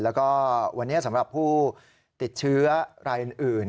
แล้วก็วันนี้สำหรับผู้ติดเชื้อรายอื่น